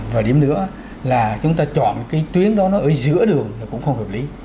và điểm nữa là chúng ta chọn cái tuyến đó nó ở giữa đường là cũng không hợp lý